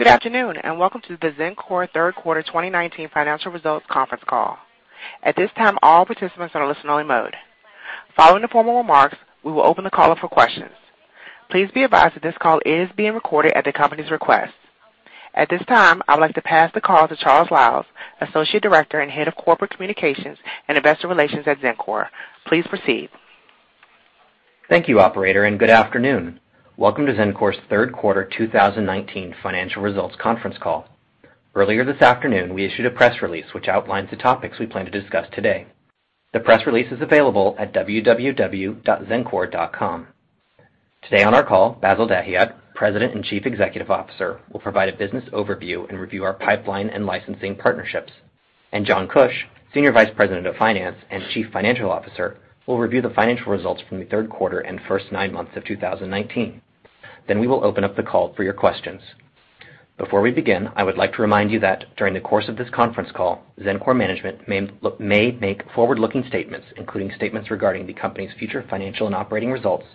Good afternoon, welcome to the Xencor Third Quarter 2019 Financial Results Conference Call. At this time, all participants are in listen-only mode. Following the formal remarks, we will open the call up for questions. Please be advised that this call is being recorded at the company's request. At this time, I would like to pass the call to Charles Liles, Associate Director and Head of Corporate Communications and Investor Relations at Xencor. Please proceed. Thank you, operator. Good afternoon. Welcome to Xencor's Third Quarter 2019 Financial Results Conference Call. Earlier this afternoon, we issued a press release which outlines the topics we plan to discuss today. The press release is available at www.xencor.com. Today on our call, Bassil Dahiyat, President and Chief Executive Officer, will provide a business overview and review our pipeline and licensing partnerships. John Kuch, Senior Vice President of Finance and Chief Financial Officer, will review the financial results from the third quarter and first nine months of 2019. We will open up the call for your questions. Before we begin, I would like to remind you that during the course of this conference call, Xencor management may make forward-looking statements, including statements regarding the company's future financial and operating results,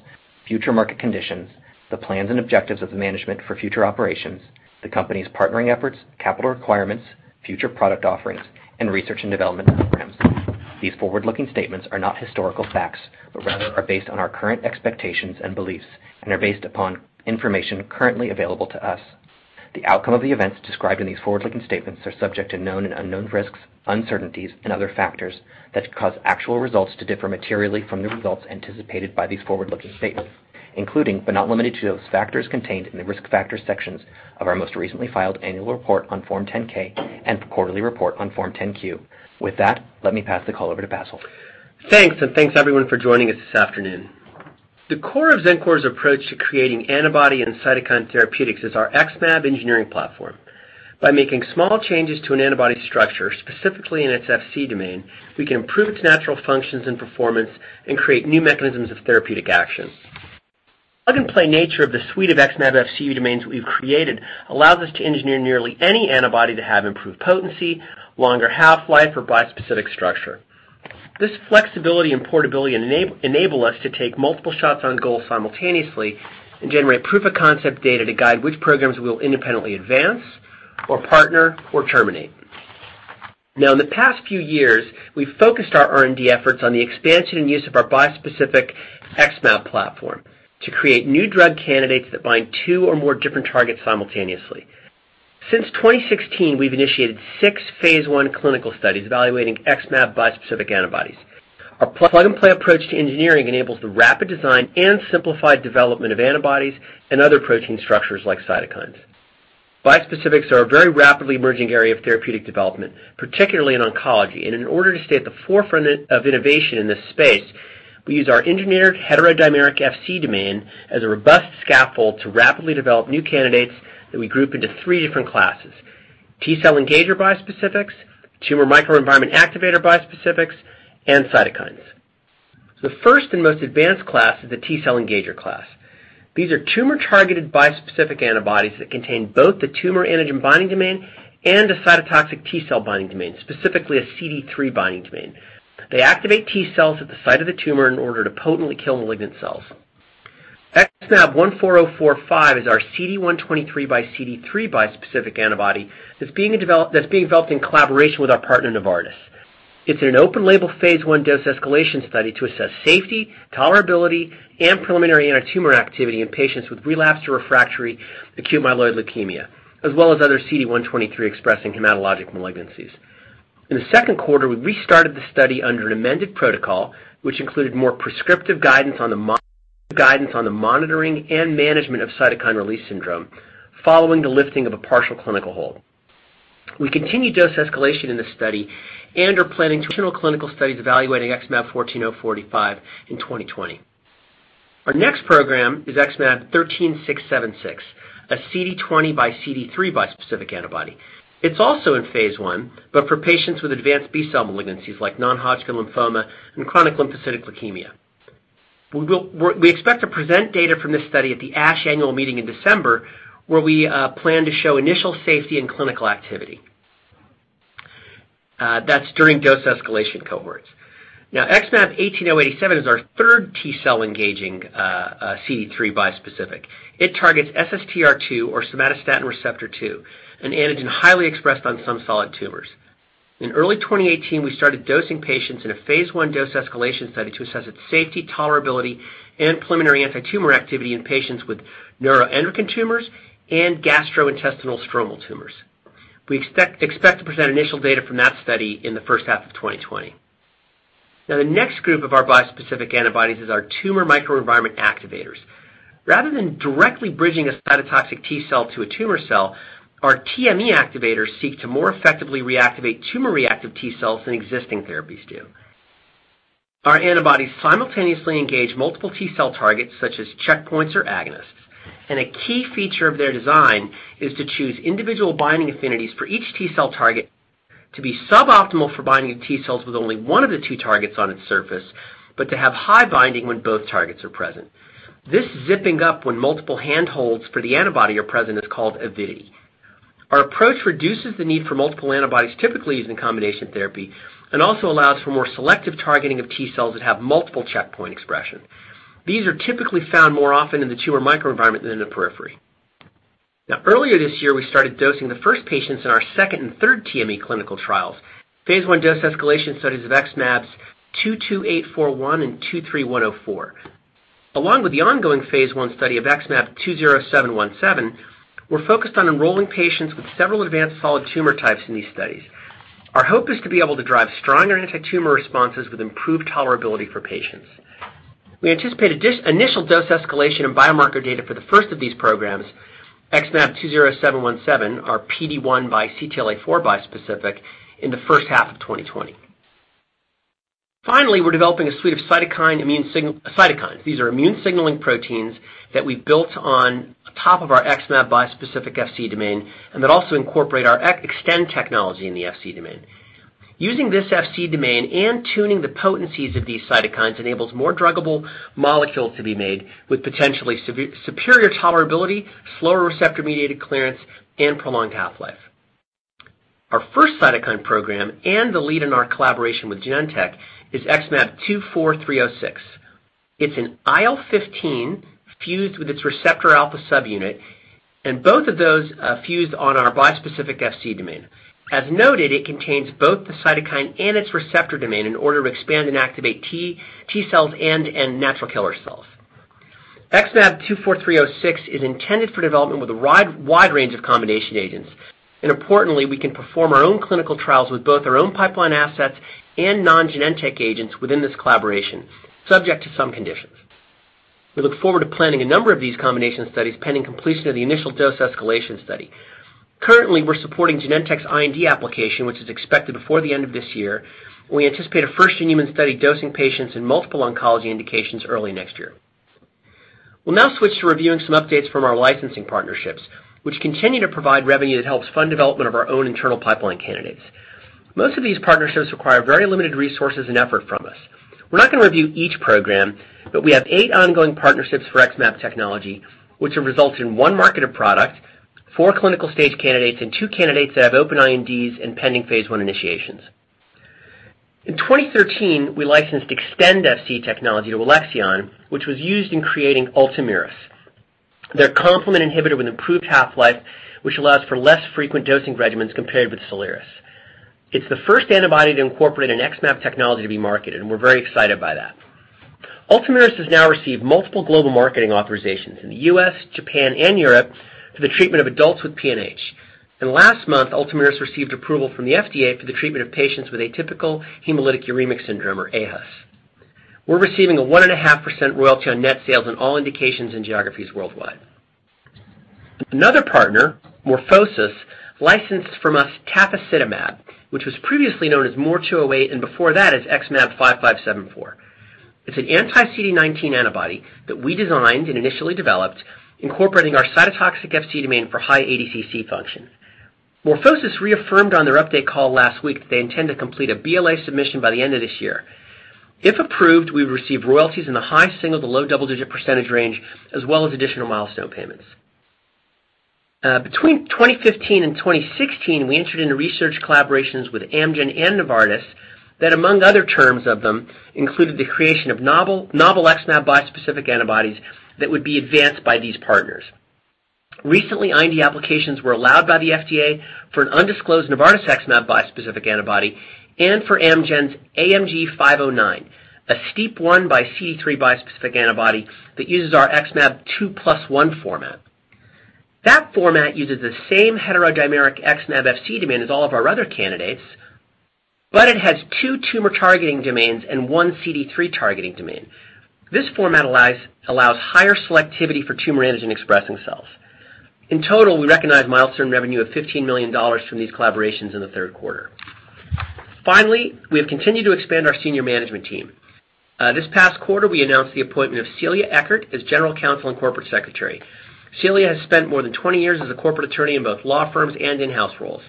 future market conditions, the plans and objectives of the management for future operations, the company's partnering efforts, capital requirements, future product offerings, and research and development programs. These forward-looking statements are not historical facts, but rather are based on our current expectations and beliefs and are based upon information currently available to us. The outcome of the events described in these forward-looking statements are subject to known and unknown risks, uncertainties, and other factors that could cause actual results to differ materially from the results anticipated by these forward-looking statements, including but not limited to those factors contained in the Risk Factors sections of our most recently filed annual report on Form 10-K and quarterly report on Form 10-Q. With that, let me pass the call over to Bassil. Thanks, everyone, for joining us this afternoon. The core of Xencor's approach to creating antibody and cytokine therapeutics is our XmAb engineering platform. By making small changes to an antibody structure, specifically in its Fc domain, we can improve its natural functions and performance and create new mechanisms of therapeutic action. The plug-and-play nature of the suite of XmAb Fc domains we've created allows us to engineer nearly any antibody to have improved potency, longer half-life, or bispecific structure. This flexibility and portability enable us to take multiple shots on goal simultaneously and generate proof-of-concept data to guide which programs we'll independently advance or partner or terminate. In the past few years, we've focused our R&D efforts on the expansion and use of our bispecific XmAb platform to create new drug candidates that bind two or more different targets simultaneously. Since 2016, we've initiated six phase I clinical studies evaluating XmAb bispecific antibodies. Our plug-and-play approach to engineering enables the rapid design and simplified development of antibodies and other protein structures like cytokines. Bispecifics are a very rapidly emerging area of therapeutic development, particularly in oncology. In order to stay at the forefront of innovation in this space, we use our engineered heterodimeric Fc domain as a robust scaffold to rapidly develop new candidates that we group into three different classes: T-cell engager bispecifics, tumor microenvironment activator bispecifics, and cytokines. The first and most advanced class is the T-cell engager class. These are tumor-targeted bispecific antibodies that contain both the tumor antigen binding domain and a cytotoxic T-cell binding domain, specifically a CD3 binding domain. They activate T cells at the site of the tumor in order to potently kill malignant cells. XmAb14045 is our CD123 by CD3 bispecific antibody that's being developed in collaboration with our partner, Novartis. It's an open-label phase I dose-escalation study to assess safety, tolerability, and preliminary antitumor activity in patients with relapsed or refractory acute myeloid leukemia, as well as other CD123-expressing hematologic malignancies. In the second quarter, we restarted the study under an amended protocol, which included more prescriptive guidance on the monitoring and management of cytokine release syndrome following the lifting of a partial clinical hold. We continue dose escalation in this study and are planning two additional clinical studies evaluating XmAb14045 in 2020. Our next program is XmAb13676, a CD20 by CD3 bispecific antibody. It's also in phase I, but for patients with advanced B cell malignancies like non-Hodgkin lymphoma and chronic lymphocytic leukemia. We expect to present data from this study at the ASH annual meeting in December, where we plan to show initial safety and clinical activity. That's during dose escalation cohorts. XmAb18087 is our third T-cell-engaging CD3 bispecific. It targets SSTR2, or somatostatin receptor 2, an antigen highly expressed on some solid tumors. In early 2018, we started dosing patients in a phase I dose-escalation study to assess its safety, tolerability, and preliminary antitumor activity in patients with neuroendocrine tumors and gastrointestinal stromal tumors. We expect to present initial data from that study in the first half of 2020. The next group of our bispecific antibodies is our tumor microenvironment activators. Rather than directly bridging a cytotoxic T-cell to a tumor cell, our TME activators seek to more effectively reactivate tumor-reactive T-cells than existing therapies do. Our antibodies simultaneously engage multiple T cell targets, such as checkpoints or agonists, and a key feature of their design is to choose individual binding affinities for each T cell target to be suboptimal for binding to T cells with only one of the two targets on its surface, but to have high binding when both targets are present. This zipping up when multiple handholds for the antibody are present is called avidity. Our approach reduces the need for multiple antibodies typically used in combination therapy and also allows for more selective targeting of T cells that have multiple checkpoint expression. These are typically found more often in the tumor microenvironment than in the periphery. Earlier this year, we started dosing the first patients in our second and third TME clinical trials, phase I dose escalation studies of XmAb22841 and XmAb23104. Along with the ongoing phase I study of XmAb20717, we're focused on enrolling patients with several advanced solid tumor types in these studies. Our hope is to be able to drive stronger anti-tumor responses with improved tolerability for patients. We anticipate initial dose escalation and biomarker data for the first of these programs, XmAb20717, our PD-1 x CTLA-4 bispecific, in the first half of 2020. We're developing a suite of cytokines. These are immune signaling proteins that we've built on top of our XmAb bispecific Fc domain and that also incorporate our Xtend technology in the Fc domain. Using this Fc domain and tuning the potencies of these cytokines enables more druggable molecules to be made with potentially superior tolerability, slower receptor-mediated clearance, and prolonged half-life. Our first cytokine program, and the lead in our collaboration with Genentech, is XmAb24306. It's an IL-15 fused with its receptor alpha subunit. Both of those are fused on our bispecific Fc domain. As noted, it contains both the cytokine and its receptor domain in order to expand and activate T cells and natural killer cells. XmAb24306 is intended for development with a wide range of combination agents. Importantly, we can perform our own clinical trials with both our own pipeline assets and non-Genentech agents within this collaboration, subject to some conditions. We look forward to planning a number of these combination studies pending completion of the initial dose escalation study. Currently, we're supporting Genentech's IND application, which is expected before the end of this year. We anticipate a first-in-human study dosing patients in multiple oncology indications early next year. We'll now switch to reviewing some updates from our licensing partnerships, which continue to provide revenue that helps fund development of our own internal pipeline candidates. Most of these partnerships require very limited resources and effort from us. We're not going to review each program, but we have eight ongoing partnerships for XmAb technology, which have resulted in one marketed product, 4 clinical stage candidates, and two candidates that have open INDs and pending phase I initiations. In 2013, we licensed Xtend Fc technology to Alexion, which was used in creating ULTOMIRIS, their complement inhibitor with improved half-life, which allows for less frequent dosing regimens compared with SOLIRIS. It's the first antibody to incorporate an XmAb technology to be marketed, and we're very excited by that. ULTOMIRIS has now received multiple global marketing authorizations in the U.S., Japan, and Europe for the treatment of adults with PNH. Last month, ULTOMIRIS received approval from the FDA for the treatment of patients with atypical hemolytic uremic syndrome, or aHUS. We're receiving a 1.5% royalty on net sales on all indications in geographies worldwide. Another partner, MorphoSys, licensed from us tafasitamab, which was previously known as MOR208, and before that as XmAb5574. It's an anti-CD19 antibody that we designed and initially developed, incorporating our cytotoxic Fc domain for high ADCC function. MorphoSys reaffirmed on their update call last week that they intend to complete a BLA submission by the end of this year. If approved, we would receive royalties in the high single- to low double-digit percentage range, as well as additional milestone payments. Between 2015 and 2016, we entered into research collaborations with Amgen and Novartis that, among other terms of them, included the creation of novel XmAb bispecific antibodies that would be advanced by these partners. Recently, IND applications were allowed by the FDA for an undisclosed Novartis XmAb bispecific antibody and for Amgen's AMG 509, a STEAP1 x CD3 bispecific antibody that uses our XmAb 2+1 format. That format uses the same heterodimeric XmAb Fc domain as all of our other candidates, but it has two tumor-targeting domains and one CD3 targeting domain. This format allows higher selectivity for tumor antigen-expressing cells. In total, we recognized milestone revenue of $15 million from these collaborations in the third quarter. Finally, we have continued to expand our senior management team. This past quarter, we announced the appointment of Celia Eckert as General Counsel and Corporate Secretary. Celia has spent more than 20 years as a corporate attorney in both law firms and in-house roles.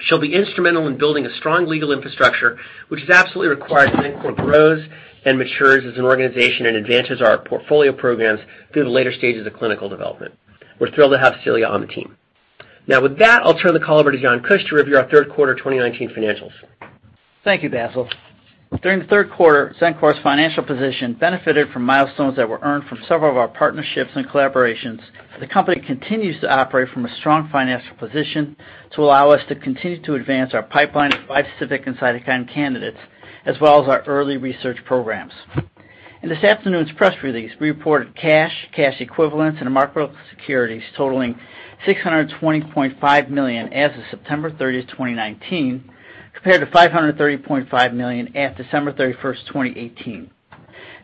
She'll be instrumental in building a strong legal infrastructure, which is absolutely required as Xencor grows and matures as an organization and advances our portfolio programs through the later stages of clinical development. We're thrilled to have Celia on the team. With that, I'll turn the call over to John Kuch to review our third quarter 2019 financials. Thank you, Bassil. During the third quarter, Xencor's financial position benefited from milestones that were earned from several of our partnerships and collaborations. The company continues to operate from a strong financial position to allow us to continue to advance our pipeline of bispecific and cytokine candidates, as well as our early research programs. In this afternoon's press release, we reported cash equivalents, and marketable securities totaling $620.5 million as of September 30, 2019, compared to $530.5 million at December 31, 2018.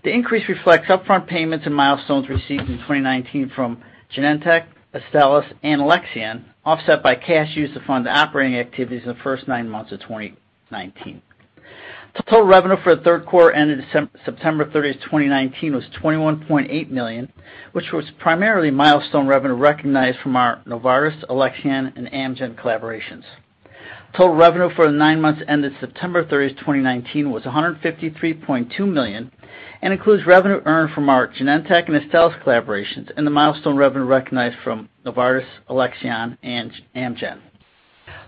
The increase reflects upfront payments and milestones received in 2019 from Genentech, Astellas, and Alexion, offset by cash used to fund operating activities in the first nine months of 2019. Total revenue for the third quarter ended September 30th, 2019, was $21.8 million, which was primarily milestone revenue recognized from our Novartis, Alexion, and Amgen collaborations. Total revenue for the nine months ended September 30th, 2019 was $153.2 million and includes revenue earned from our Genentech and Astellas collaborations and the milestone revenue recognized from Novartis, Alexion, and Amgen.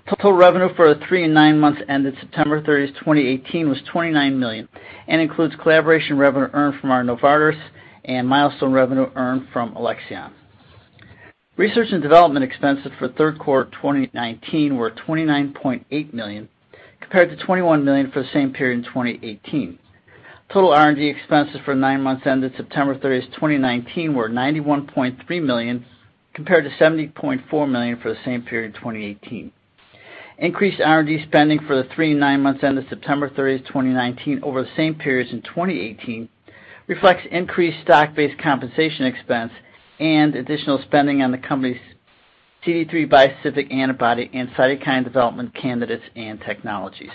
Total revenue for the three and nine months ended September 30th, 2018 was $29 million and includes collaboration revenue earned from our Novartis and milestone revenue earned from Alexion. Research and development expenses for third quarter 2019 were $29.8 million, compared to $21 million for the same period in 2018. Total R&D expenses for the nine months ended September 30th, 2019 were $91.3 million, compared to $70.4 million for the same period in 2018. Increased R&D spending for the three and nine months ended September 30, 2019 over the same periods in 2018 reflects increased stock-based compensation expense and additional spending on the company's CD3 bispecific antibody and cytokine development candidates and technologies.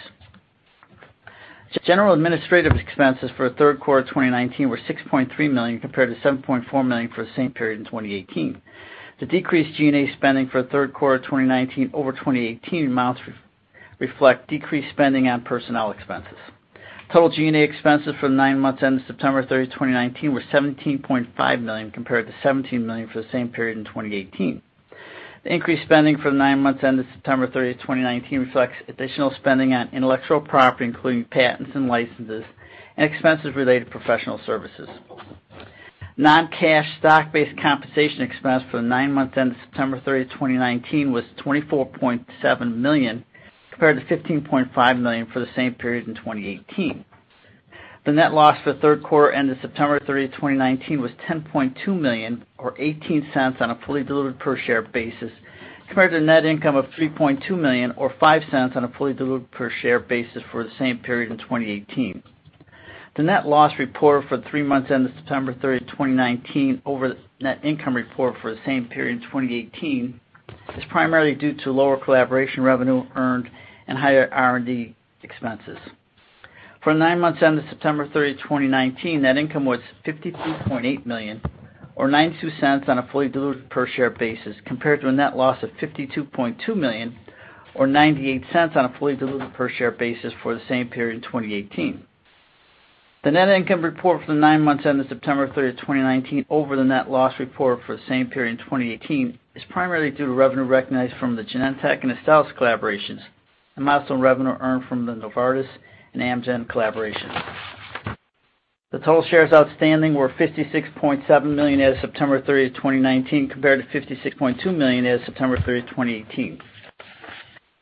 General administrative expenses for the third quarter of 2019 were $6.3 million, compared to $7.4 million for the same period in 2018. The decreased G&A spending for the third quarter of 2019 over 2018 amounts reflect decreased spending on personnel expenses. Total G&A expenses for the nine months ended September 30, 2019 were $17.5 million, compared to $17 million for the same period in 2018. The increased spending for the nine months ended September 30, 2019 reflects additional spending on intellectual property, including patents and licenses, and expenses related to professional services. Non-cash stock-based compensation expense for the nine months ended September 30th, 2019 was $24.7 million, compared to $15.5 million for the same period in 2018. The net loss for the third quarter ended September 30th, 2019 was $10.2 million, or $0.18 on a fully diluted per share basis, compared to net income of $3.2 million, or $0.05 on a fully diluted per share basis for the same period in 2018. The net loss reported for the three months ended September 30th, 2019 over the net income report for the same period in 2018 is primarily due to lower collaboration revenue earned and higher R&D expenses. For the nine months ended September 30, 2019, net income was $53.8 million or $0.92 on a fully diluted per share basis, compared to a net loss of $52.2 million or $0.98 on a fully diluted per share basis for the same period in 2018. The net income report for the nine months ended September 30, 2019 over the net loss report for the same period in 2018 is primarily due to revenue recognized from the Genentech and Astellas collaborations and milestone revenue earned from the Novartis and Amgen collaborations. The total shares outstanding were 56.7 million as of September 30, 2019, compared to 56.2 million as of September 30, 2018.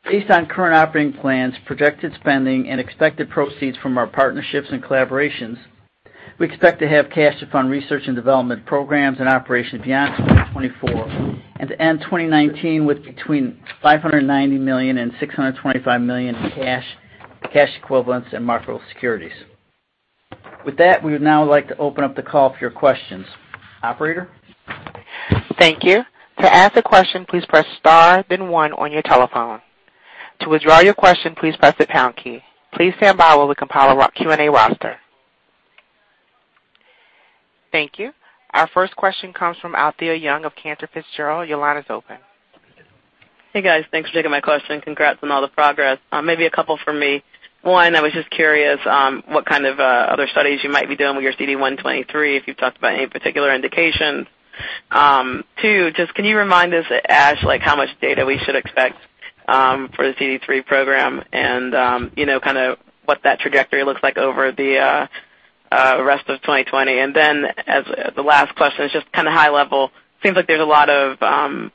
Based on current operating plans, projected spending, and expected proceeds from our partnerships and collaborations, we expect to have cash to fund research and development programs and operations beyond 2024, and to end 2019 with between $590 million and $625 million in cash equivalents, and marketable securities. With that, we would now like to open up the call for your questions. Operator? Thank you. To ask a question, please press star then one on your telephone. To withdraw your question, please press the pound key. Please stand by while we compile a Q&A roster. Thank you. Our first question comes from Alethia Young of Cantor Fitzgerald. Your line is open. Hey, guys. Thanks for taking my question. Congrats on all the progress. Maybe a couple from me. One, I was just curious what kind of other studies you might be doing with your CD123, if you've talked about any particular indications. Two, just can you remind us at ASH how much data we should expect for the CD3 program and what that trajectory looks like over the rest of 2020? Then, as the last question, it's just high level. Seems like there's a lot of different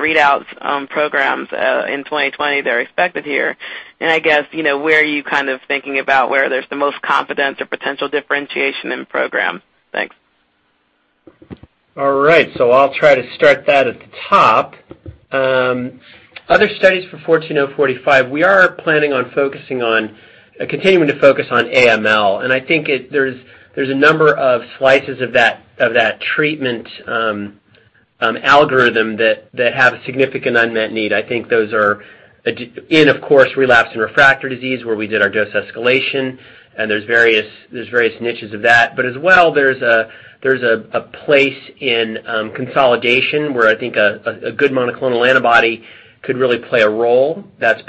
readouts on programs in 2020 that are expected here. I guess, where are you thinking about where there's the most confidence or potential differentiation in program? Thanks. All right. I'll try to start that at the top. Other studies for 14045, we are planning on continuing to focus on AML, and I think there's a number of slices of that treatment algorithm that have a significant unmet need. I think those are in, of course, relapse and refractory disease, where we did our dose escalation, and there's various niches of that. As well, there's a place in consolidation where I think a good monoclonal antibody could really play a role. That's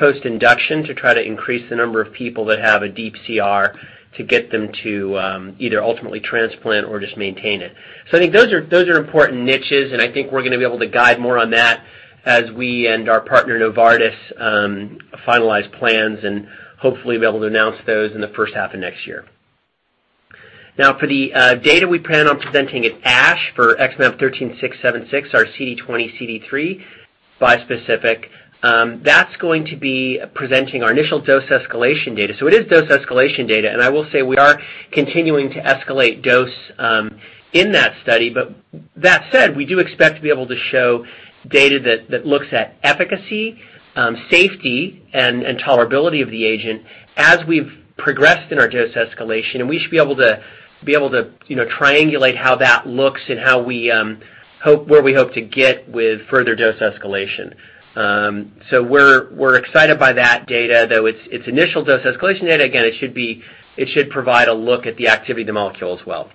post-induction to try to increase the number of people that have a deep CR to get them to either ultimately transplant or just maintain it. I think those are important niches, and I think we're going to be able to guide more on that as we and our partner, Novartis, finalize plans and hopefully be able to announce those in the first half of next year. For the data we plan on presenting at ASH for XmAb13676, our CD20/CD3 bispecific, that is going to be presenting our initial dose escalation data. It is dose escalation data, and I will say we are continuing to escalate dose in that study. That said, we do expect to be able to show data that looks at efficacy, safety, and tolerability of the agent as we have progressed in our dose escalation, and we should be able to triangulate how that looks and where we hope to get with further dose escalation. We are excited by that data, though it is initial dose escalation data. It should provide a look at the activity of the molecule as well.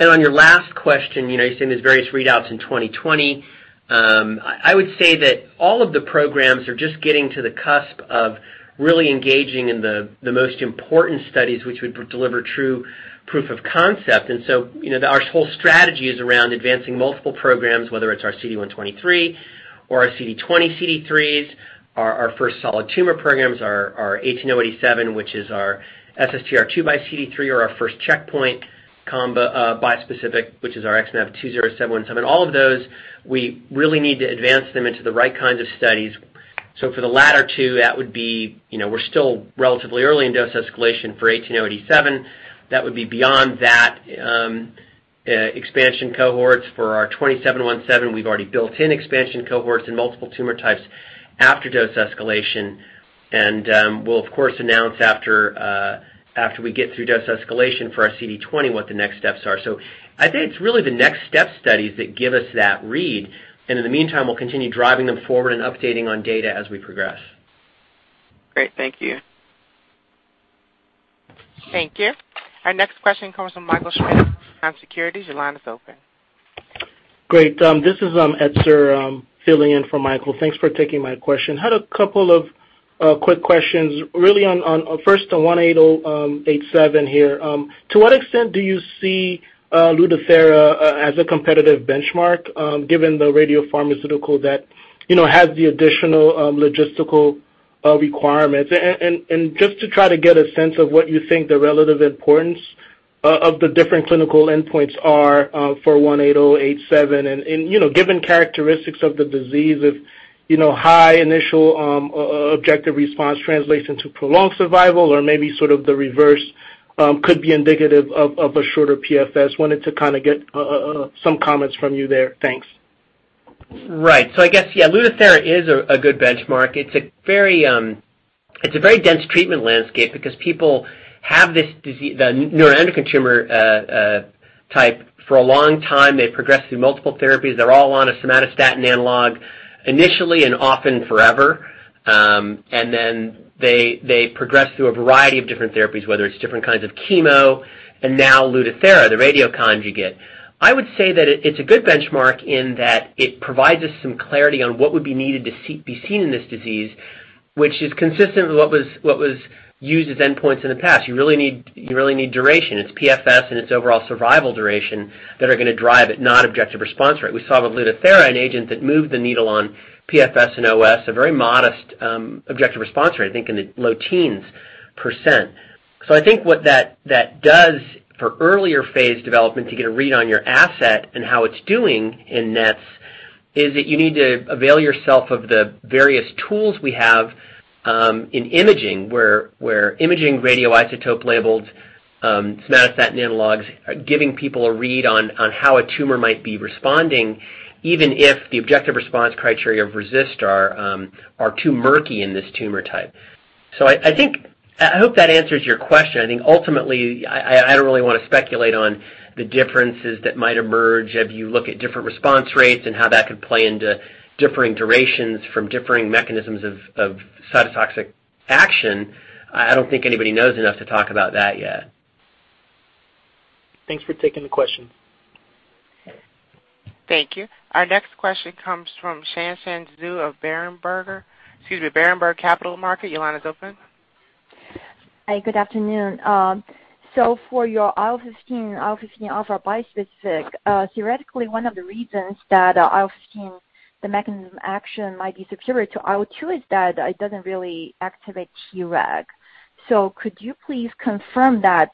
On your last question, you're seeing these various readouts in 2020. I would say that all of the programs are just getting to the cusp of really engaging in the most important studies, which would deliver true proof of concept. Our whole strategy is around advancing multiple programs, whether it's our CD123 or our CD20/CD3s, our first solid tumor programs, our 18087, which is our SSTR2 by CD3, or our first checkpoint combo bispecific, which is our XmAb20717. All of those, we really need to advance them into the right kinds of studies. For the latter two, we're still relatively early in dose escalation for 18087. That would be beyond that expansion cohorts. For our 27-17, we've already built in expansion cohorts in multiple tumor types after dose escalation. We'll, of course, announce after we get through dose escalation for our CD20 what the next steps are. I'd say it's really the next step studies that give us that read. In the meantime, we'll continue driving them forward and updating on data as we progress. Great. Thank you. Thank you. Our next question comes from Etzer Darout from Securities. Your line is open. Great. This is Etzer filling in for Michael. Thanks for taking my question. I had a couple of quick questions really on first the 18087 here. To what extent do you see LUTATHERA as a competitive benchmark given the radiopharmaceutical that has the additional logistical requirements? Just to try to get a sense of what you think the relative importance of the different clinical endpoints are for 18087 and given characteristics of the disease, if high initial objective response translates into prolonged survival or maybe sort of the reverse could be indicative of a shorter PFS. I wanted to get some comments from you there. Thanks. Right. I guess, yeah, LUTATHERA is a good benchmark. It's a very dense treatment landscape because people have this neuroendocrine tumor type for a long time. They progress through multiple therapies. They're all on a somatostatin analog initially and often forever. They progress through a variety of different therapies, whether it's different kinds of chemo and now LUTATHERA, the radioconjugate. I would say that it's a good benchmark in that it provides us some clarity on what would be needed to be seen in this disease, which is consistent with what was used as endpoints in the past. You really need duration. It's PFS and it's overall survival duration that are going to drive it, not objective response rate. We saw with LUTATHERA, an agent that moved the needle on PFS and OS, a very modest objective response rate, I think in the low teens %. I think what that does for earlier phase development to get a read on your asset and how it's doing in NETs is that you need to avail yourself of the various tools we have in imaging, where imaging radioisotope-labeled somatostatin analogs are giving people a read on how a tumor might be responding, even if the objective response criteria of RECIST are too murky in this tumor type. I hope that answers your question. I think ultimately, I don't really want to speculate on the differences that might emerge if you look at different response rates and how that could play into differing durations from differing mechanisms of cytotoxic action. I don't think anybody knows enough to talk about that yet. Thanks for taking the question. Thank you. Our next question comes from Shanshan Zhu of Berenberg. Excuse me, Berenberg Capital Markets. Your line is open. Hi, good afternoon. For your IL-15 and IL-15 Alpha bispecific, theoretically, one of the reasons that IL-15, the mechanism of action might be superior to IL-2 is that it doesn't really activate Treg. Could you please confirm that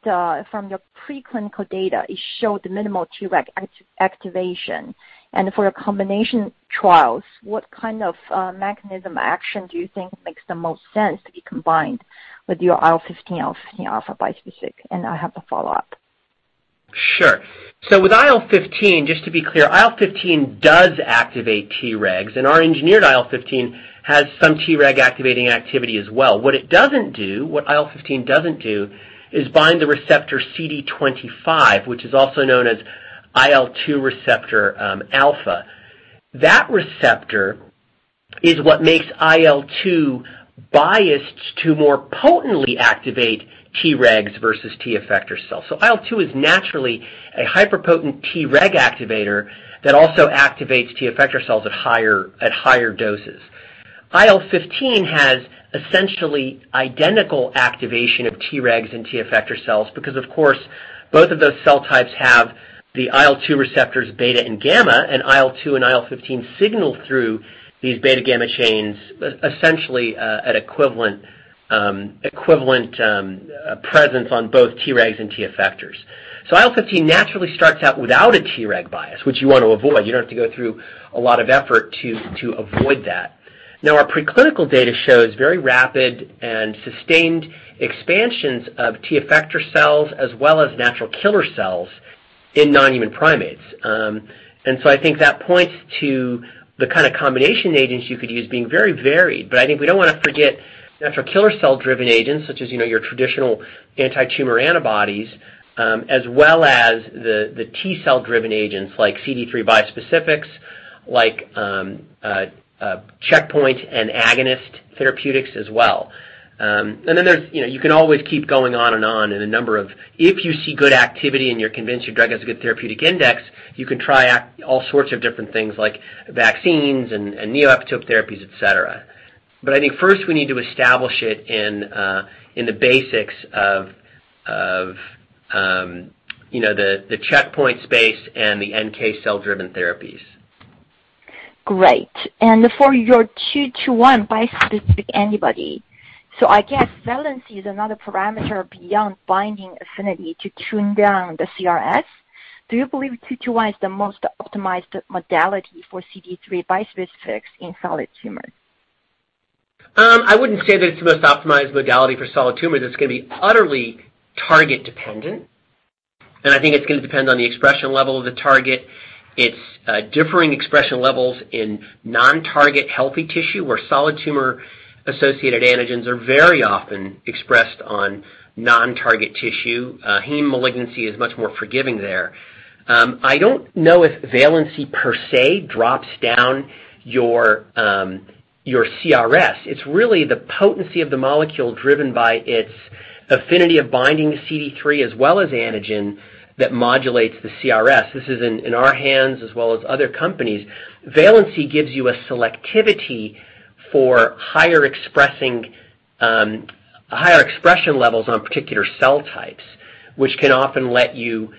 from your pre-clinical data, it showed minimal Treg activation? For the combination trials, what kind of mechanism of action do you think makes the most sense to be combined with your IL-15/IL-15 Alpha bispecific? I have a follow-up. Sure. With IL-15, just to be clear, IL-15 does activate Tregs, and our engineered IL-15 has some Treg activating activity as well. What IL-15 doesn't do is bind the receptor CD25, which is also known as IL-2 receptor alpha. That receptor is what makes IL-2 biased to more potently activate Tregs versus T effector cells. IL-2 is naturally a hyperpotent Treg activator that also activates T effector cells at higher doses. IL-15 has essentially identical activation of Tregs and T effector cells because, of course, both of those cell types have the IL-2 receptors beta and gamma, and IL-2 and IL-15 signal through these beta gamma chains, essentially at equivalent presence on both Tregs and T effectors. IL-15 naturally starts out without a Treg bias, which you want to avoid. You don't have to go through a lot of effort to avoid that. Now, our preclinical data shows very rapid and sustained expansions of T effector cells as well as natural killer cells in non-human primates. I think that points to the kind of combination agents you could use being very varied, but I think we don't want to forget natural killer cell-driven agents such as your traditional anti-tumor antibodies, as well as the T cell-driven agents like CD3 bispecifics, like checkpoint and agonist therapeutics as well. You can always keep going on and on. If you see good activity and you're convinced your drug has a good therapeutic index, you can try out all sorts of different things like vaccines and neoepitope therapies, et cetera. I think first we need to establish it in the basics of the checkpoint space and the NK cell-driven therapies. Great. For your 2-1 bispecific antibody, I guess valency is another parameter beyond binding affinity to tune down the CRS. Do you believe 2-1 is the most optimized modality for CD3 bispecifics in solid tumors? I wouldn't say that it's the most optimized modality for solid tumors. It's going to be utterly target dependent, and I think it's going to depend on the expression level of the target. It's differing expression levels in non-target healthy tissue, where solid tumor-associated antigens are very often expressed on non-target tissue. Heme malignancy is much more forgiving there. I don't know if valency per se drops down your CRS. It's really the potency of the molecule driven by its affinity of binding CD3 as well as antigen that modulates the CRS. This is in our hands as well as other companies. Valency gives you a selectivity for higher expression levels on particular cell types, which can often let you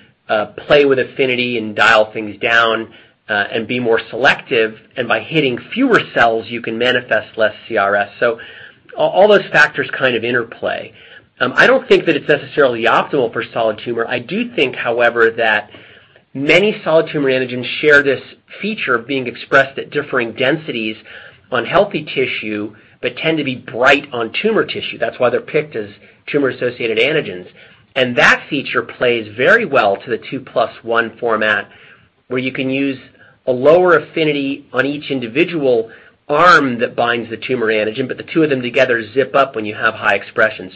play with affinity and dial things down and be more selective. By hitting fewer cells, you can manifest less CRS. All those factors kind of interplay. I don't think that it's necessarily optimal for solid tumor. I do think, however, that many solid tumor antigens share this feature of being expressed at differing densities on healthy tissue but tend to be bright on tumor tissue. That's why they're picked as tumor-associated antigens. That feature plays very well to the XmAb 2+1 format, where you can use a lower affinity on each individual arm that binds the tumor antigen, but the two of them together zip up when you have high expression.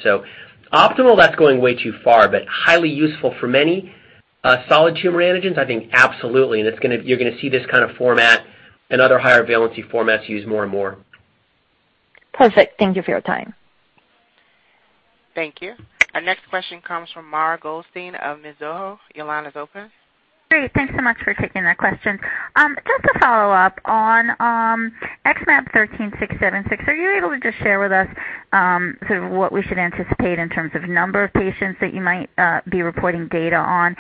Optimal, that's going way too far, but highly useful for many solid tumor antigens, I think absolutely, and you're going to see this kind of format and other higher valency formats used more and more. Perfect. Thank you for your time. Thank you. Our next question comes from Mara Goldstein of Mizuho. Your line is open. Great. Thanks so much for taking that question. Just a follow-up on XmAb13676. Are you able to just share with us sort of what we should anticipate in terms of number of patients that you might be reporting data on?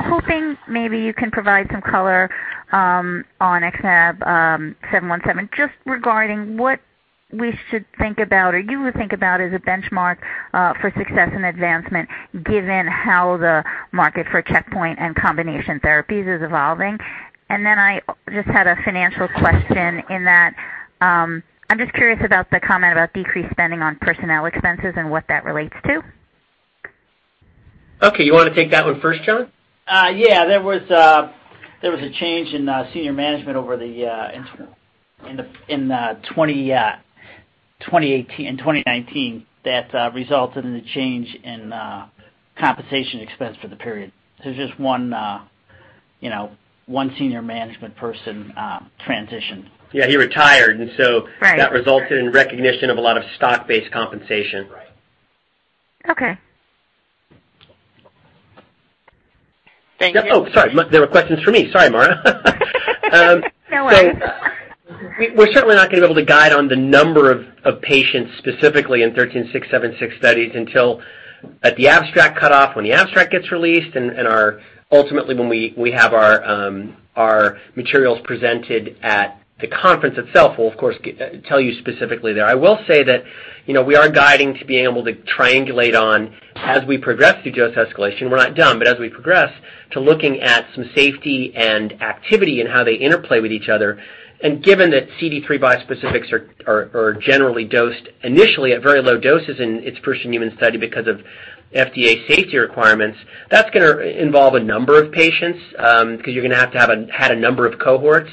Hoping maybe you can provide some color on XmAb717 just regarding what we should think about or you would think about as a benchmark for success and advancement given how the market for checkpoint and combination therapies is evolving. I just had a financial question in that I'm just curious about the comment about decreased spending on personnel expenses and what that relates to. Okay. You want to take that one first, John? There was a change in senior management in 2019 that resulted in a change in compensation expense for the period. Just one senior management person transitioned. Yeah, he retired. Right that resulted in recognition of a lot of stock-based compensation. Right. Okay. Thank you. Oh, sorry. There were questions for me. Sorry, Mara. No worries. We're certainly not going to be able to guide on the number of patients specifically in 13676 studies until at the abstract cutoff, when the abstract gets released and ultimately when we have our materials presented at the conference itself, we'll of course tell you specifically there. I will say that we are guiding to being able to triangulate on as we progress through dose escalation, we're not done, but as we progress to looking at some safety and activity and how they interplay with each other, and given that CD3 bispecifics are generally dosed initially at very low doses in its first human study because of FDA safety requirements, that's going to involve a number of patients because you're going to have to have a number of cohorts.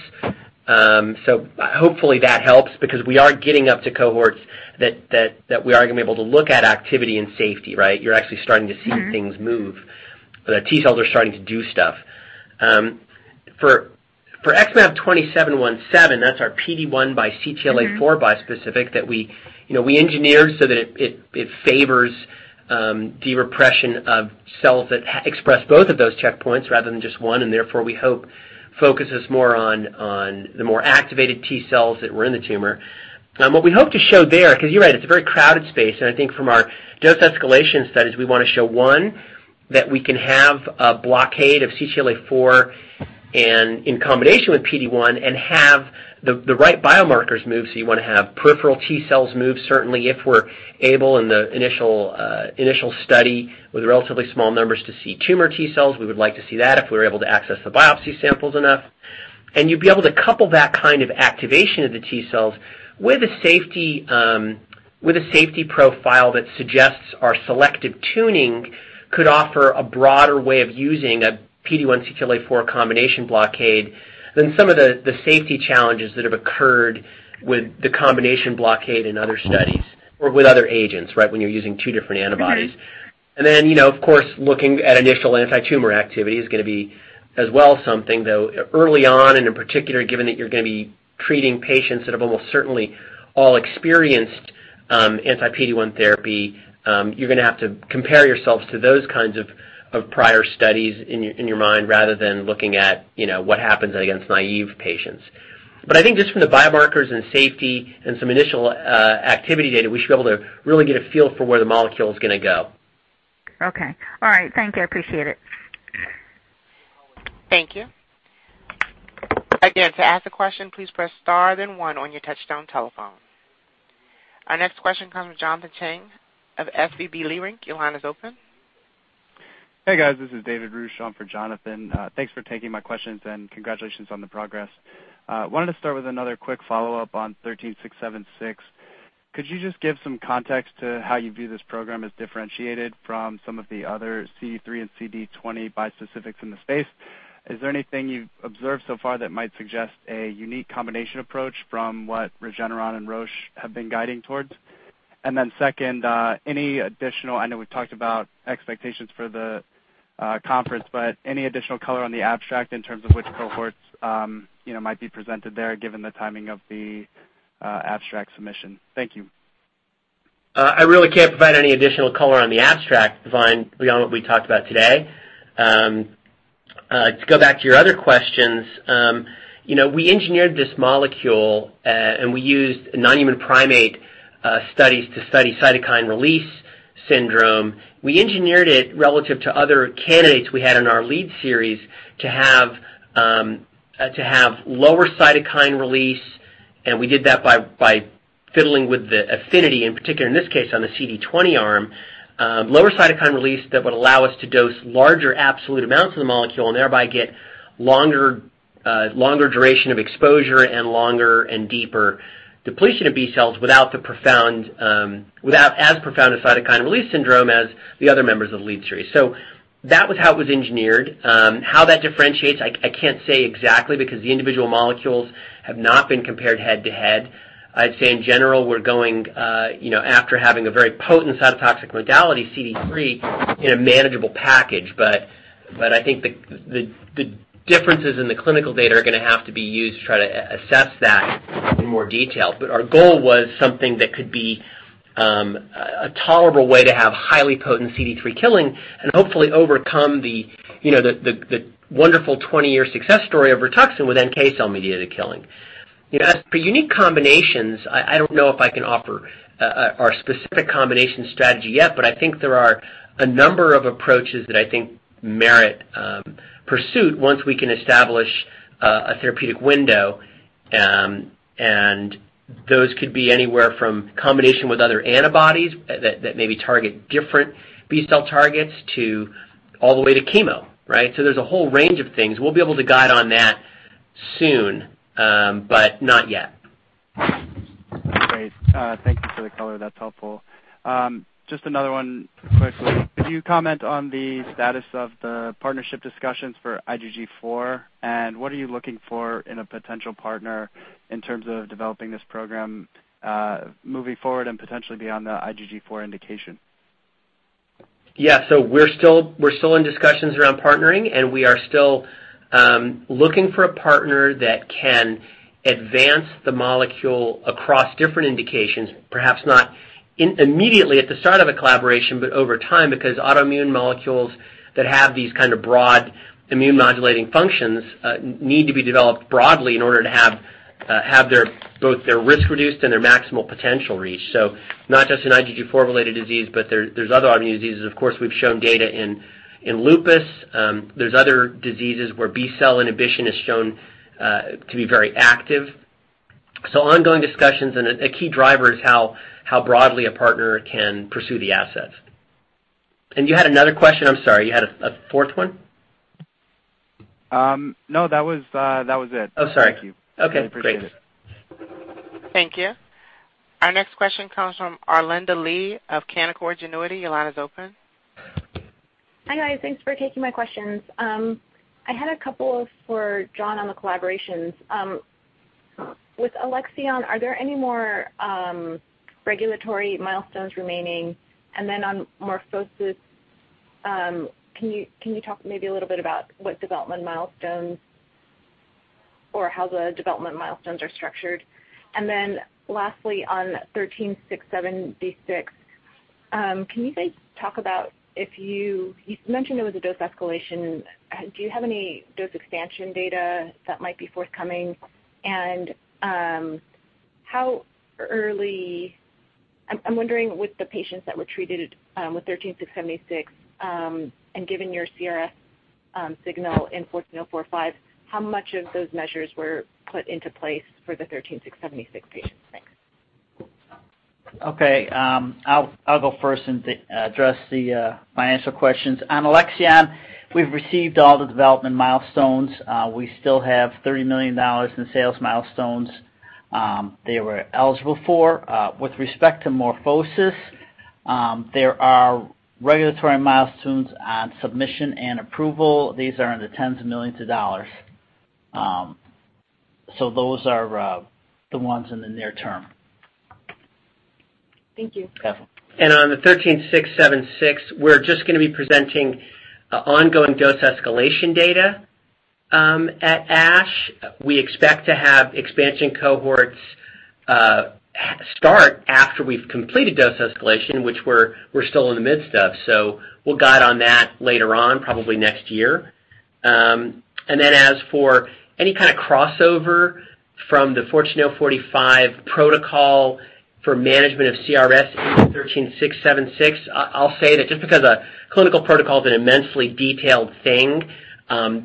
Hopefully that helps because we are getting up to cohorts that we are going to be able to look at activity and safety, right? You're actually starting to see things move. The T cells are starting to do stuff. For XmAb20717, that's our PD-1 by CTLA-4 bispecific that we engineered so that it favors de-repression of cells that express both of those checkpoints rather than just one, and therefore we hope focuses more on the more activated T cells that were in the tumor. What we hope to show there, because you're right, it's a very crowded space, and I think from our dose escalation studies, we want to show, one, that we can have a blockade of CTLA-4 in combination with PD-1 and have the right biomarkers move. You want to have peripheral T cells move, certainly if we're able in the initial study with relatively small numbers to see tumor T cells. We would like to see that if we were able to access the biopsy samples enough. You'd be able to couple that kind of activation of the T cells with a safety profile that suggests our selective tuning could offer a broader way of using a PD-1/CTLA-4 combination blockade than some of the safety challenges that have occurred with the combination blockade in other studies or with other agents, right? When you're using two different antibodies. Then, of course, looking at initial antitumor activity is going to be as well something, though early on, and in particular, given that you're going to be treating patients that have almost certainly all experienced anti-PD-1 therapy, you're going to have to compare yourselves to those kinds of prior studies in your mind, rather than looking at what happens against naive patients. I think just from the biomarkers and safety and some initial activity data, we should be able to really get a feel for where the molecule is going to go. Okay. All right. Thank you. I appreciate it. Thank you. To ask a question, please press star then one on your touchtone telephone. Our next question comes from David Roche of SVB Leerink. Your line is open. Hey, guys. This is David Roche on for Jonathan. Thanks for taking my questions, congratulations on the progress. I wanted to start with another quick follow-up on 13676. Could you just give some context to how you view this program as differentiated from some of the other CD3 and CD20 bispecifics in the space? Is there anything you've observed so far that might suggest a unique combination approach from what Regeneron and Roche have been guiding towards? Second, I know we've talked about expectations for the conference. Any additional color on the abstract in terms of which cohorts might be presented there given the timing of the abstract submission? Thank you. I really can't provide any additional color on the abstract beyond what we talked about today. To go back to your other questions, we engineered this molecule, we used non-human primate studies to study cytokine release syndrome. We engineered it relative to other candidates we had in our lead series to have lower cytokine release, we did that by fiddling with the affinity, in particular, in this case, on the CD20 arm. Lower cytokine release that would allow us to dose larger absolute amounts of the molecule, thereby get longer duration of exposure and longer and deeper depletion of B cells without as profound a cytokine release syndrome as the other members of the lead series. That was how it was engineered. How that differentiates, I can't say exactly, because the individual molecules have not been compared head-to-head. I'd say in general, we're going after having a very potent cytotoxic modality, CD3, in a manageable package. I think the differences in the clinical data are going to have to be used to try to assess that in more detail. Our goal was something that could be a tolerable way to have highly potent CD3 killing and hopefully overcome the wonderful 20-year success story of Rituxan with NK cell-mediated killing. As for unique combinations, I don't know if I can offer our specific combination strategy yet, but I think there are a number of approaches that I think merit pursuit once we can establish a therapeutic window, and those could be anywhere from combination with other antibodies that maybe target different B-cell targets, all the way to chemo. There's a whole range of things. We'll be able to guide on that soon, but not yet. Great. Thank you for the color. That's helpful. Just another one quickly. Could you comment on the status of the partnership discussions for IgG4, and what are you looking for in a potential partner in terms of developing this program moving forward and potentially beyond the IgG4 indication? Yeah. We're still in discussions around partnering, and we are still looking for a partner that can advance the molecule across different indications, perhaps not immediately at the start of a collaboration, but over time, because autoimmune molecules that have these kind of broad immune modulating functions need to be developed broadly in order to have both their risk reduced and their maximal potential reached. Not just an IgG4 related disease, there's other autoimmune diseases. Of course, we've shown data in lupus. There's other diseases where B-cell inhibition is shown to be very active. Ongoing discussions, a key driver is how broadly a partner can pursue the assets. You had another question. I'm sorry. You had a fourth one? No, that was it. Oh, sorry. Thank you. Okay, great. I appreciate it. Thank you. Our next question comes from Arlinda Lee of Canaccord Genuity. Your line is open. Hi, guys. Thanks for taking my questions. I had a couple for John on the collaborations. With Alexion, are there any more regulatory milestones remaining? On MorphoSys, can you talk maybe a little bit about what development milestones or how the development milestones are structured? Lastly, on 13676, you mentioned there was a dose escalation. Do you have any dose expansion data that might be forthcoming? I'm wondering with the patients that were treated with 13676, and given your CRS signal in 14045, how much of those measures were put into place for the 13676 patients? Thanks. Okay. I'll go first and address the financial questions. On Alexion, we've received all the development milestones. We still have $30 million in sales milestones they were eligible for. With respect to MorphoSys, there are regulatory milestones on submission and approval. These are in the tens of millions of dollars. Those are the ones in the near term. Thank you. Yeah. On the XmAb13676, we're just going to be presenting ongoing dose escalation data at ASH. We expect to have expansion cohorts start after we've completed dose escalation, which we're still in the midst of, so we'll guide on that later on, probably next year. As for any kind of crossover from the XmAb14045 protocol for management of CRS in XmAb13676, I'll say that just because a clinical protocol is an immensely detailed thing,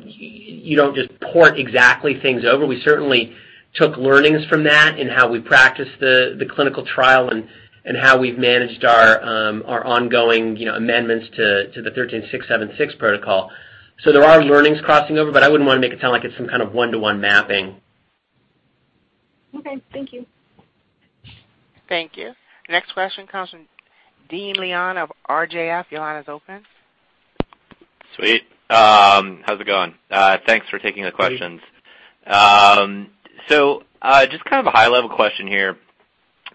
you don't just port exactly things over. We certainly took learnings from that in how we practice the clinical trial and how we've managed our ongoing amendments to the XmAb13676 protocol. There are learnings crossing over, but I wouldn't want to make it sound like it's some kind of one-to-one mapping. Okay. Thank you. Thank you. Next question comes from Deyan Leon of RJF. Your line is open. Sweet. How's it going? Thanks for taking the questions. Great. Just kind of a high-level question here.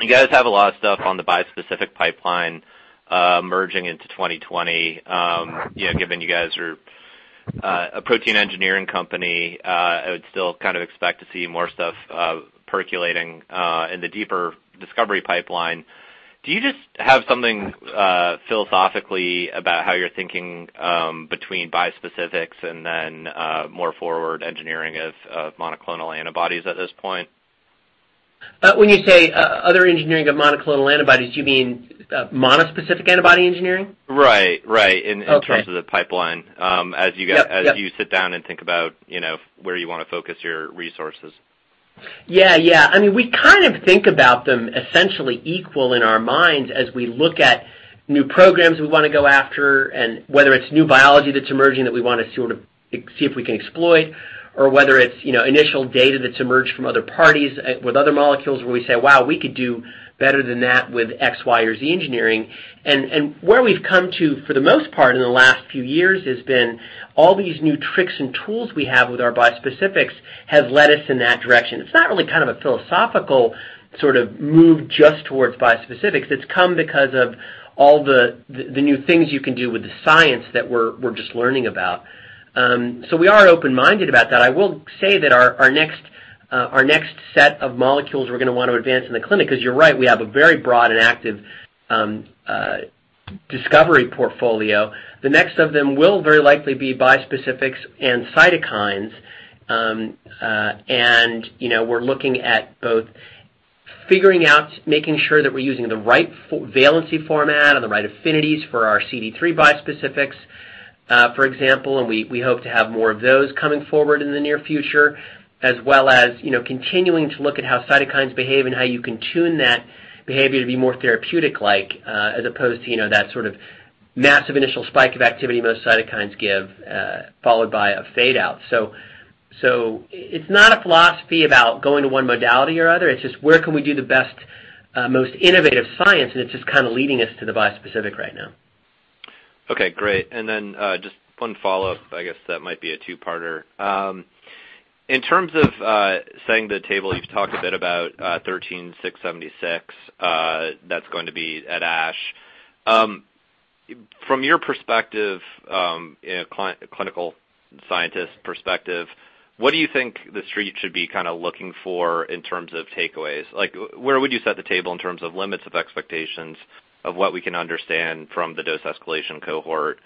You guys have a lot of stuff on the bispecific pipeline merging into 2020. Given you guys are a protein engineering company, I would still expect to see more stuff percolating in the deeper discovery pipeline. Do you just have something philosophically about how you're thinking, between bispecifics and then more forward engineering of monoclonal antibodies at this point? When you say other engineering of monoclonal antibodies, do you mean monospecific antibody engineering? Right. In terms of the pipeline. Yep. As you sit down and think about where you want to focus your resources. Yeah. We think about them essentially equal in our minds as we look at new programs we want to go after and whether it's new biology that's emerging that we want to see if we can exploit or whether it's initial data that's emerged from other parties with other molecules where we say, "Wow, we could do better than that with X, Y, or Z engineering." Where we've come to, for the most part in the last few years, has been all these new tricks and tools we have with our bispecifics has led us in that direction. It's not really a philosophical move just towards bispecifics. It's come because of all the new things you can do with the science that we're just learning about. We are open-minded about that. I will say that our next set of molecules we're going to want to advance in the clinic, because you're right, we have a very broad and active discovery portfolio. The next of them will very likely be bispecifics and cytokines. We're looking at both figuring out, making sure that we're using the right valency format or the right affinities for our CD3 bispecifics, for example, and we hope to have more of those coming forward in the near future, as well as continuing to look at how cytokines behave and how you can tune that behavior to be more therapeutic-like, as opposed to that massive initial spike of activity most cytokines give, followed by a fade-out. It's not a philosophy about going to one modality or other. It's just where can we do the best, most innovative science, and it's just leading us to the bispecific right now. Okay, great. Just one follow-up. I guess that might be a two-parter. In terms of setting the table, you've talked a bit about 13676. That's going to be at ASH. From your perspective, clinical scientist perspective, what do you think the Street should be looking for in terms of takeaways? Where would you set the table in terms of limits of expectations of what we can understand from the dose escalation cohort,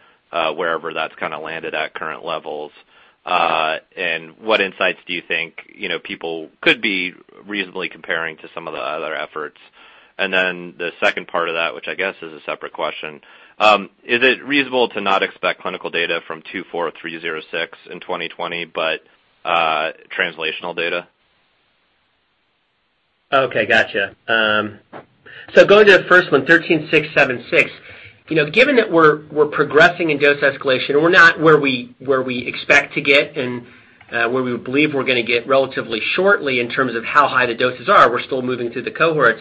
wherever that's landed at current levels? What insights do you think people could be reasonably comparing to some of the other efforts? The second part of that, which I guess is a separate question, is it reasonable to not expect clinical data from 24306 in 2020, but translational data? Okay, gotcha. Going to the first one, XmAb13676. Given that we're progressing in dose escalation, we're not where we expect to get and where we believe we're going to get relatively shortly in terms of how high the doses are. We're still moving through the cohorts.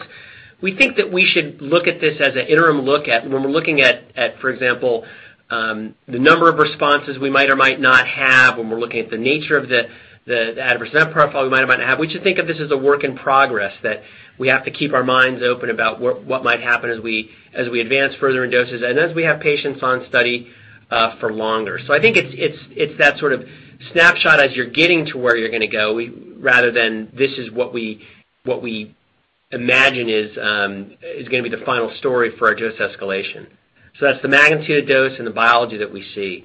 We think that we should look at this as an interim look at when we're looking at, for example, the number of responses we might or might not have, when we're looking at the nature of the adverse event profile we might or might not have. We should think of this as a work in progress, that we have to keep our minds open about what might happen as we advance further in doses and as we have patients on study for longer. I think it's that snapshot as you're getting to where you're going to go, rather than this is what we imagine is going to be the final story for our dose escalation. That's the magnitude of dose and the biology that we see.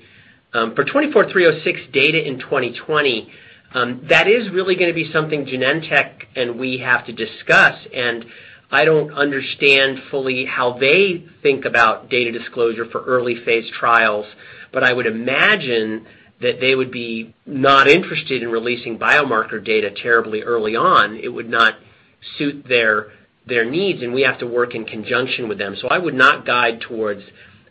For XmAb24306 data in 2020, that is really going to be something Genentech and we have to discuss, and I don't understand fully how they think about data disclosure for early-phase trials, but I would imagine that they would be not interested in releasing biomarker data terribly early on. It would not suit their needs, and we have to work in conjunction with them. I would not guide towards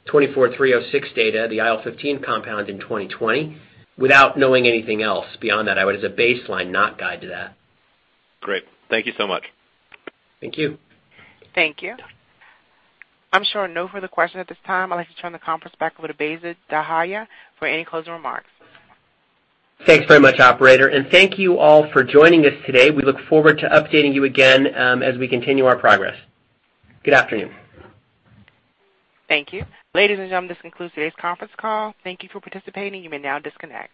XmAb24306 data, the IL-15 compound in 2020, without knowing anything else beyond that. I would, as a baseline, not guide to that. Great. Thank you so much. Thank you. Thank you. I'm showing no further questions at this time. I'd like to turn the conference back over to Bassil Dahiyat for any closing remarks. Thanks very much, operator, and thank you all for joining us today. We look forward to updating you again as we continue our progress. Good afternoon. Thank you. Ladies and gentlemen, this concludes today's conference call. Thank you for participating. You may now disconnect.